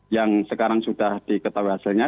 yang sekarang sudah diketahui hasilnya